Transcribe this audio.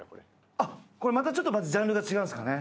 あこれまたちょっとジャンルが違うんですかね？